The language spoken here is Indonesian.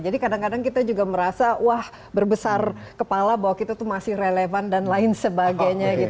jadi kadang kadang kita juga merasa wah berbesar kepala bahwa kita itu masih relevan dan lain sebagainya